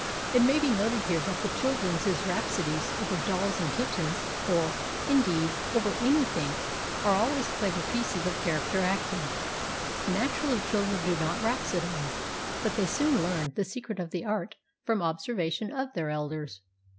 It may be noted here that children's rhapsodies over dolls and kittens, or, indeed, over anything, are always clever pieces of character acting. Naturally, children do not rhapsodise, but they soon learn the secret of the art from observation of their elders.